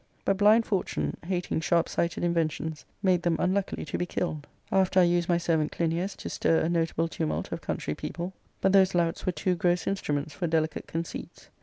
But blind Fortune, hating sharp sighted inventions, made them unluckily to be killed. After I used my servant Clinias to stir a notable tumult of country people ; but those louts were too gross instruments for delicate conceits.